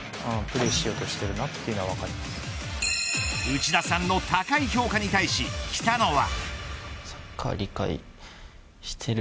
内田さんの高い評価に対し北野は。